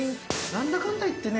何だかんだ言ってね